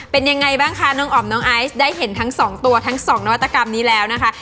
เป็นยังไงบ้างคะน้องอ๋อมน้องไอซ์ได้เห็นทั้งสองตัวทั้งสองนวัตกรรมนี้แล้วนะคะ